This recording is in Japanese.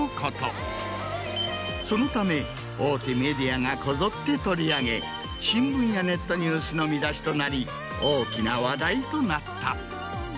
そのため大手メディアがこぞって取り上げ新聞やネットニュースの見出しとなり大きな話題となった。